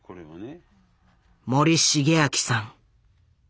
森重昭さん。